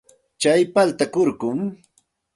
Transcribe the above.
Tsay paltay kurkum.